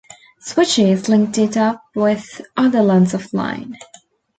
Switches linked it up with other lengths of line.